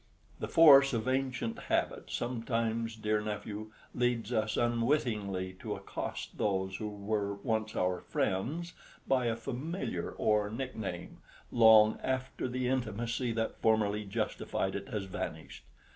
The force of ancient habit sometimes, dear nephew, leads us unwittingly to accost those who were once our friends by a familiar or nick name long after the intimacy that formerly justified it has vanished.